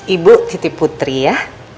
ibu titip putri ya